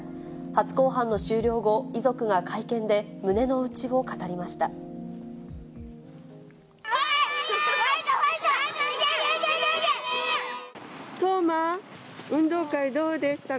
初公判の終了後、遺族が会見で胸の内を語りました。